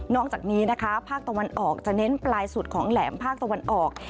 อกจากนี้นะคะภาคตะวันออกจะเน้นปลายสุดของแหลมภาคตะวันออก